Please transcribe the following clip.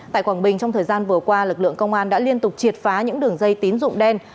tại quảng bình trong thời gian vừa qua lực lượng công an đã liên tục triệt phá những đường dây tín dụng đen